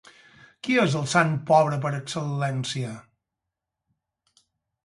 Qui és el sant pobre per excel·lència?